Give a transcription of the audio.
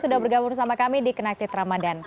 sudah bergabung bersama kami di kenakti ramadhan